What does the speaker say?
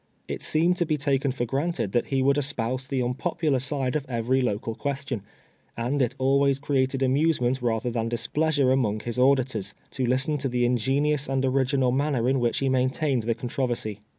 It seemed to be taken for granted that he would espouse the nnp()])ular side of every local question, and it al ways created amusement rather than displeasure among his auditors, to listen to the ingenious and original manner in which he maintained the contro versy.